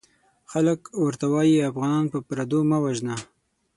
خلک ورته وايي افغانان په پردو مه وژنه!